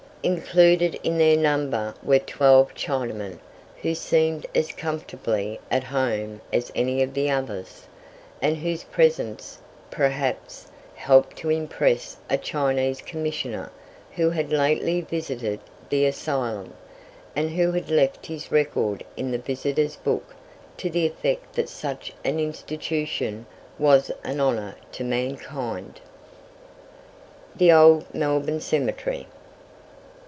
Included in their number were twelve Chinamen, who seemed as comfortably at home as any of the others, and whose presence, perhaps, helped to impress a Chinese Commissioner, who had lately visited the Asylum, and who had left his record in the visitors' book to the effect that such an institution was an honour to mankind. THE OLD MELBOURNE CEMETERY.